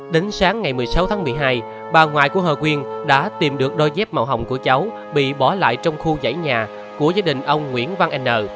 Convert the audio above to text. đến sáng ngày một mươi sáu tháng một mươi hai bà ngoại của hờ quyên đã tìm được đôi dép màu hồng của cháu bị bỏ lại trong khu dãy nhà của gia đình ông nguyễn văn n